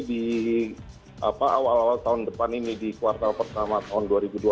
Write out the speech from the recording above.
di awal awal tahun depan ini di kuartal pertama tahun dua ribu dua puluh